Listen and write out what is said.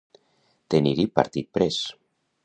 Tenir-hi partit pres.